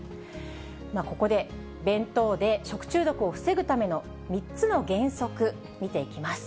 ここで、弁当で食中毒を防ぐための３つの原則、見ていきます。